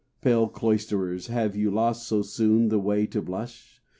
Pale cloisterers, have you lost so soon The way to blush?